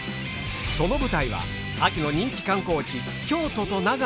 その舞台は秋の人気観光地